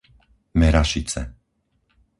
Merašice